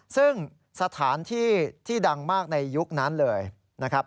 ซึ่งสถานที่ที่ดังมากในยุคนั้นเลยนะครับ